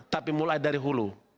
tapi mulai dari hulu